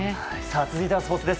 続いてはスポーツです。